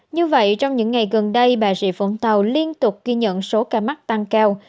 như vậy trong những ngày gần đây bà rịa vũng tàu liên tục ghi nhận số ca mắc tăng cao